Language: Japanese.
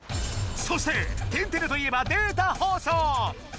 そして「天てれ」といえばデータ放送。